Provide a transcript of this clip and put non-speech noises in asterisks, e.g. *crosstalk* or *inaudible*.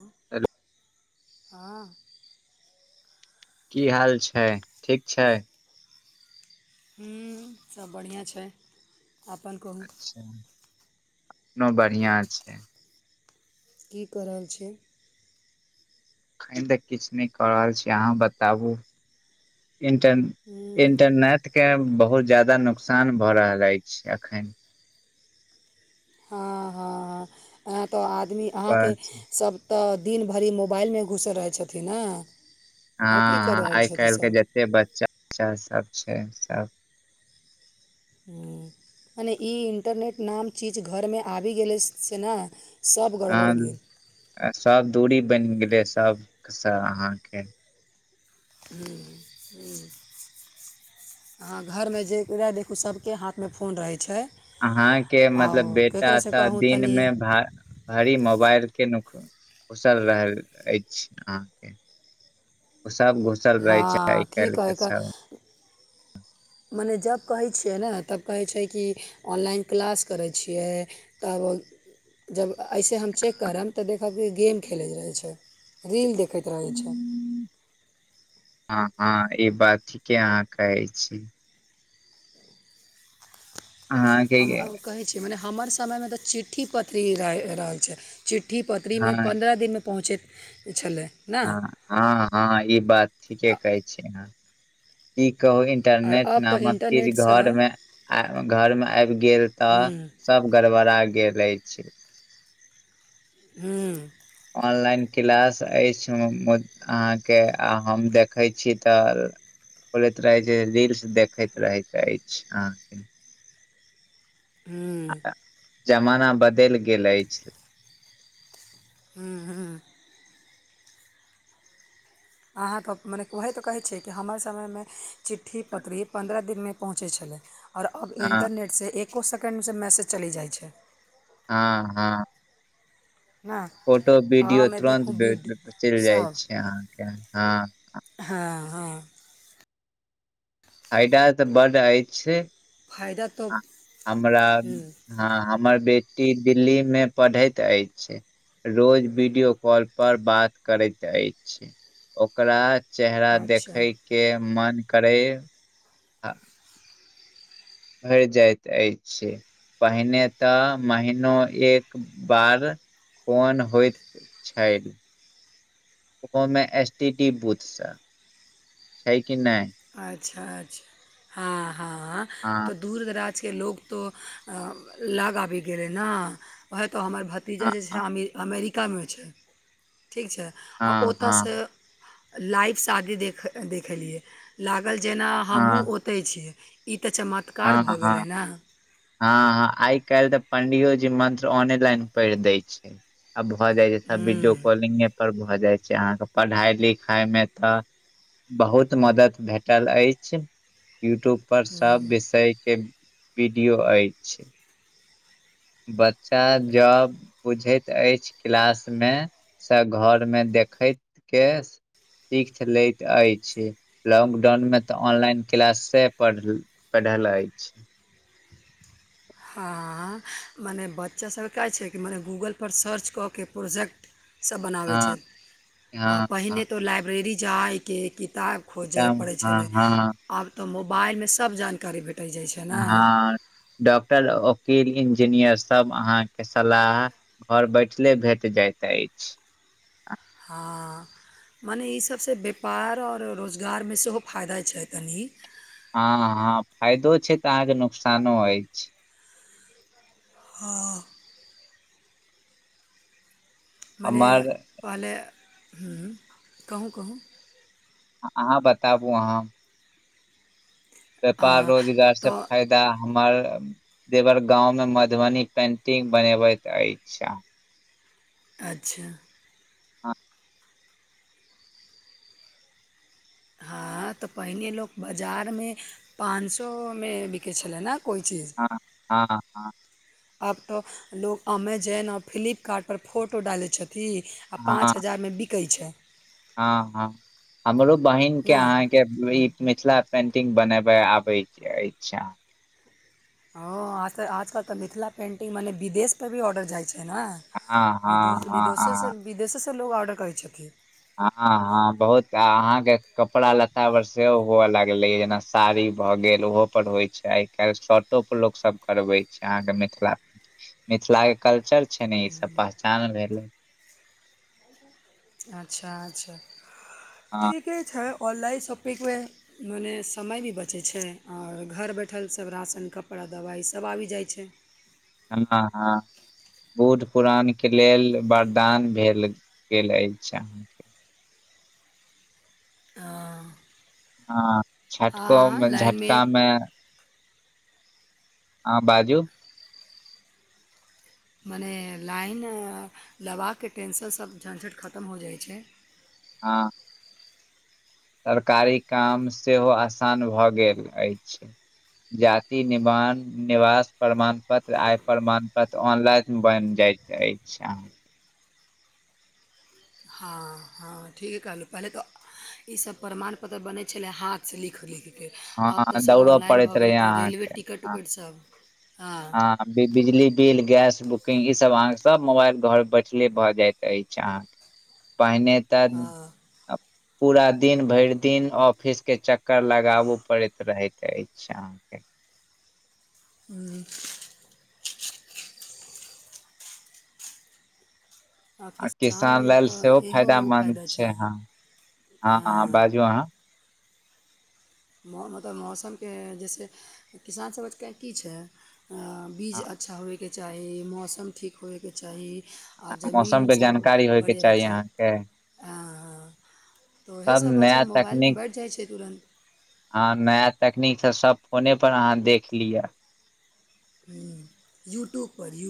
*inaudible* हँ की हाल छै ठीक छै हूँ सब बढ़िआँ छै अपन कहू अच्छा अपनो बढ़िआँ छै की कऽ रहल छी अखन तऽ किछु नहि कऽ रहल छी अहाँ बताबु इंटर। हूँ इंटरनेट के बहुत जादा नुकसान भऽ रहल अछि एखन। हँ हँ हँ यहाँ तऽ आदमी अहाँके बस सभ तऽ दिन भरि मोबाइल मे घुसल रहै छथिन ने की कऽ हँ रहल आइ छथिन काल्हि के सभ जते बच्चा उच्चा सब छै सब मने ई इन्टरनेट नाम चीज घरमे आबि गेलै से ने। सब गड़बड़ भेल। ह सब दूरी बनि गेले सबसँ अहाके। हूँ हूँ अहाँ घरमे जेकरा देखू सभके हाथमे फोन रहै छै। अहाँके मतलब आओर बेटा ककरोसँ त कहू दिन तनि मे भा। भरी मोबाइलके न खुसल रहल अछि अहाँके ओ सब घुसल रह छै हँ आइ की काल्हि के कहैके सब। मने जब कहै छियै ने तब कहै छै कि ऑनलाइन क्लास करै छियै ताब बल। जब ऐसे हम चेक करब तऽ देखब कि गेम खेलैत रहै छै रील देखैत रहैत छै। हँ हँ ई बाते अहाँ कहै छी। अहाँके हम कहै छियै मने हमर समयमे तऽ चिट्ठी पत्री रहि रहे छै। चिट्ठी पत्रीमे हँ पन्द्रह दिनमे पहुँचैत छलै। ने ह हँ हँ ई बात ठीके आ- कहै छियै अहाँ इ कहू आओर इंटरनेट अब तऽ नामक चीज इंटरनेटसँ घर मे घर मे आबि गेल तऽ। हूँ सब गड़बड़ा गेले अछि। हँ ऑनलाइन क्लास अछि। अहाँके आ हम देखै छी तऽ बोलैत रहै छै रील्स देखैत रहैत अछि अहाँके हूँ जमाना बदलि गेल अछि। हु। अहाँ तऽ मने वएह तऽ कहै छियै कि हमर समय मे चिट्ठी पत्री पन्द्रह दिनमे पहुँचै छलै। आओर अब हँ इन्टरनेट सँ एको सेकेण्ड सँ मैसेज चलि जाइ छै हँ हँ ने फोटो वीडियो अहाँमे देखू तुरन्त बीड चलि जाइ सभ छै अहाँके हँ हँ हँ फाइदा तऽ बड्ड अछि फायदा तो हमरा हम्म, हँ हमर बेटी दिल्ली मे पढ़ैत अछि रोज वीडियो कॉल पर बात करैत अछि ओकरा चेहरा अच्छा देखै केँ मन करै भैर जाइत अछि पहिने तऽ महिनो एक बार फोन होइत छै ओहो मे एस टी डी बूथ सॅं छै कि नय अच्छऽ अच्छऽ हँ हँ हँ तऽ दूर दराज केँ लोक तो अ लग आबि गेलै नऽ वहे तो हमर भ तीजा हँ जे छै हँ अमि - अमेरिका मे उ छै ठीक छै आ ओतऽ से हँ लाइव शादी देख देखेलियै लागल जेना हमहुँ हँ ओ तै छी ई तऽ चम हँ हँ हँ हॅं आइ काइल तऽ पंडियोजी मंत्र ऑने लाइन पढ़ि दै छै आ भऽ जाइ छै सब वीडियो हूँ कॉलिंगे पर भऽ जाइ छै अहाँकेँ पढ़ाई लिखाई मे तऽ बहुत मदद भेटल अछि यूट्यूब पर सब विषय केँ वीडियो अछि बच्चा जब बुझैत अछि क्लास मे से घरमे देखैत केँ सीख लैत अछि लॉकडाउन मे तऽ ऑनलाइन क्लास से पढ़ पढ़ल अछि *inaudible* हँ मने बच्चा सभ केँ का छै कि मने गूगल पर सर्च कऽ केँ प्रोजेक्ट सब बनाबै छै हँ आ हँ पहिने तऽ लाइब्रेरी जाइकेँ किताब खोजय हँ पड़ै हँ छलै हँ आब तऽ मोबाइल मे सब जानकारी भेट हँ डॉक्टर ओकील इंजीनियर सभ अहाँकेँ सलाह घर बैठले भेट जाइत अछि हँ मने इ सभ से व्यापार आओर रोजगार मे सेहो फायदा छै तनि हँ हँ फायदो छै तऽ अहाँकेँ नुकसानो अछि हँ मने हमर पहले हुँ कहूँ कहूँ अहाँ बताबु अहाँ व्यापार आ रोजगार सँ तऽ फाय दा हमर देवर गांव मे मधुबनी पेन्टिंग बनबैत अछि अच्छऽ हँ हँ तऽ पहिने लोक बजार मे पान सौ मे बिकै छलै नऽ कोइ चीज हँ हँ आब तऽ लोक अमेजेन आ फ्लिपकार्ट पर फोटो डालै छथि आ हँ पाँच हजार मे बिकै छै हँ हँ हमरो बहिन केँ ने अहाॅं केँ ई मिथिला पेंटिंग बनेबै आबै अछि अहाँ हँ आज तऽ आजकल तऽ मिथिला पेन्टिंग मने विदेश पर भी ऑर्डर जाइ छै नऽ हँ विदो हँ विदोेसँ हँ विदेसेसँ लोक ऑर्डर करै छथि हँ हँ बहुत अहाँकेँ कपड़ा लत्ता पर सेहो हुअ लगलैय जेना साड़ी भऽ गेल ओहो पर होइ छै आइ काइल शर्टो पर लोक सब करबे छै अहाँकेँ मिथिला *inaudible* मिथिला केँ कल्चर छै नऽ ई सब पहचान भेलै अच्छऽ अच्छऽ हँ ठिके छै ऑनलाइन शॉपिंगमे मने समय भी बचै छै आओर घर बैठल सब राशन कपड़ा दबाइ सब आबि जाइ छै हँ नऽ हँ बुढ़ परान केँ लेल वरदान भेल गेल अछि अहाँ हँ आ झटकोमे लाइनमे झटकामे हँ बाजू *inaudible* मने लाइन लेबाकेँ टेंशन सभ झंझट खतम हो जाइ छै हँ सरकारी काम सेहो आसान भऽ गेल अछि जाति निमाण निवास प्रमाण पत्र आय प्रमाण पत्र तऽ ऑनलाइन बैन जाइत अछि हँ हँ हँ ठीक कहलहुँ पहिले तऽ ई सब प्रमाण पत्र बनै छलै हाथसँ लिख - लिख केँ आब हँ तऽ सब दौड़ऽ ऑनलाइन पड़ैत भऽ रहै गेल तऽ रेलवे अहाँके टिकट उकट सब हँ आ फिर बिजली बिल गैस बुकिंग ई सब अहाँकेँ सब मोबाइल घर बैठले भऽ जायइत अछि अहाँकेँ पहिने तऽ हँ पूरा दिन भैर दिन ऑफिस केँ चक्कर लगाबू पड़ैत रहैत अछि अहाँकेँ हुँ आ किसान लेल सेहो फायदामंन्द छै हँ हँ हँ बाजू अहाँ *unintelligible* मौसम केँ जैसे किसानसभ कऽ की छै अ बीज अच्छा होय केँ चाही मौसम ठीक होए केँ चाही आ मौसम जमीन के सब जानकारी होयके बढ़िया रहै केँ चाही अहाँके चाहि ए ए तऽ ओह सब सभ बात छै नया मोबाइलमे भेट जाइ छै तुरन्त हँ नया तकनीक सँ सब फोने पर अहाँ देख लिअ हुँ यूट्यूब पर यू